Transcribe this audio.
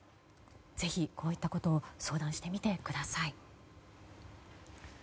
ぜひ、こういったことを相談してみてください。